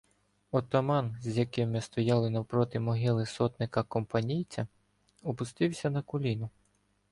Отаман, з яким ми стояли навпроти могили сотника Компанійця, опустився на коліно.